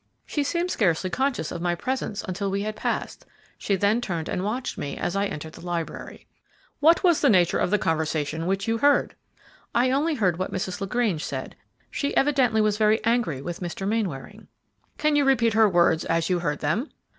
"She seemed scarcely conscious of my presence until we had passed; she then turned and watched me as I entered the library." "What was the nature of the conversation which you heard?" "I only heard what Mrs. LaGrange said. She evidently was very angry with Mr. Mainwaring." "Can you repeat her words as you heard them?"